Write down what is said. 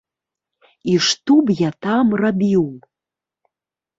І што б я там рабіў?